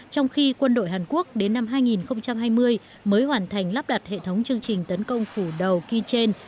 trong khi quân đội hàn quốc đến năm hai nghìn hai mươi mới hoàn thành lắp đặt hệ thống chương trình tấn công phủ đầu kit trên